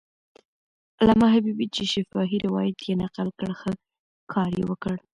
علامه حبیبي چې شفاهي روایت یې نقل کړ، ښه کار یې وکړ.